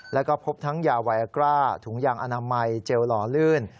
แล้วก็พบทั้งยาไวอากร้าถุงยางอนามัยเจลหล่อลื่น